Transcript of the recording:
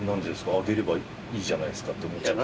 上げればいいじゃないですかって思っちゃう。